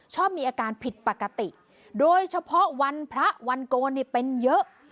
ชอบมีอาการผิดปกติโดยเฉพาะวันพระวันโกนเป็นเยอะ